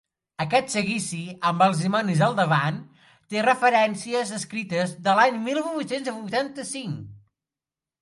Aquest seguici amb els dimonis al davant té referències escrites de l'any mil vuit-cents vuitanta-cinc.